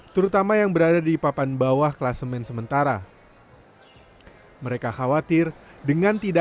satu terutama yang berada di papan bawah kelas main sementara mereka khawatir dengan tidak